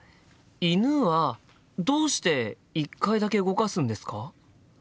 「犬」はどうして１回だけ動かすんですか？